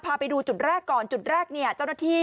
พาไปดูจุดแรกก่อนจุดแรกเนี่ยเจ้าหน้าที่